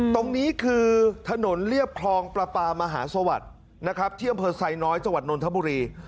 ตรงนี้คือถนนเรียบคลองประปามหาสวัสดิ์นะครับที่อำเภอไซน้อยจังหวัดนนทบุรี